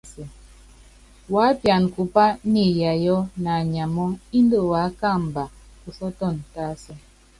Wuápiana kupá niiyayɔ naanyamɔ́ índɛ wuákamba kusɔ́tɔn tásɛ.